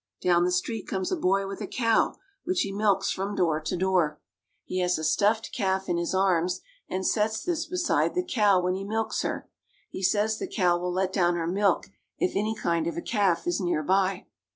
Down the street comes a boy with a cow, which he milks from door to door. He has a stuffed calf in his arms and sets this beside the cow when he milks her ; he says the cow will let down her milk if "^^.^ any kind of a calf is near by.